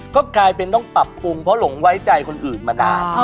ก็กลายเป็นต้องปรับปรุงเพราะหลงไว้ใจคนอื่นมานาน